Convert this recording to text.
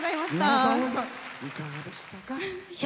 いかがでしたか？